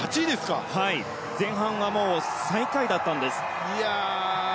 前半は最下位だったんです。